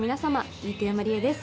飯豊まりえです